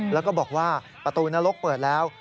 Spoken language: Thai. แล้วก็บอกว่าประตูนรกเปิดแล้ว